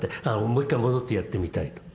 もう一回戻ってやってみたいと。